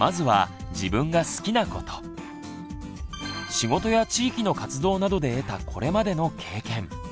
仕事や地域の活動などで得たこれまでの経験。